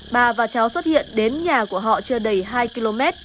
bà và cháu xuất hiện đến nhà của họ chưa đầy hai km